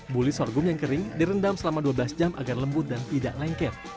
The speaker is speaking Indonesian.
buli sorghum yang kering direndam selama dua belas jam agar lembut dan tidak lengket